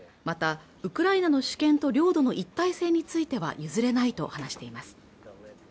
またウクライナの主権と領土の一体性については譲れないと話しています